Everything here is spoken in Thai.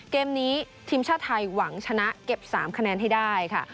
เกมนี้ทีมชาติไทยหวังชนะเก็บ๓คะแนนให้ได้ค่ะ